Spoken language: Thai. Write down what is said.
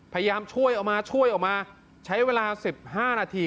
พยายามช่วยออกมาช่วยออกมาใช้เวลา๑๕นาที